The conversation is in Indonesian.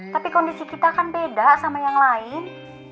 tapi kondisi kita akan beda sama yang lain